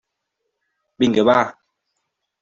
Vinga, va!